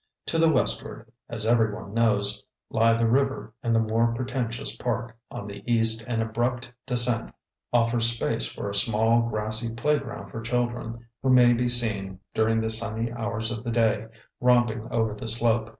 To the westward, as every one knows, lie the river and the more pretentious park; on the east an abrupt descent offers space for a small grassy playground for children, who may be seen, during the sunny hours of the day, romping over the slope.